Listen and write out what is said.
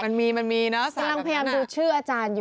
มันมีเนอะ